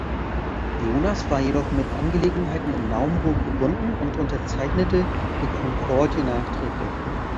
Jonas war jedoch mit Angelegenheiten in Naumburg gebunden und unterzeichnete die Konkordie nachträglich.